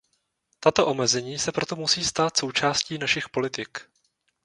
Tato omezení se proto musí stát součástí našich politik.